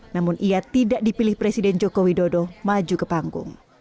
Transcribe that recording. namun ia tidak dipilih presiden joko widodo maju ke panggung